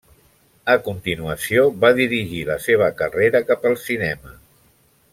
A continuació va dirigir la seva carrera cap al cinema.